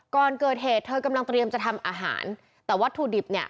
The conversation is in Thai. ก่อนเกิดเหตุเธอกำลังเตรียมจะทำอาหารแต่วัตถุดิบเนี่ย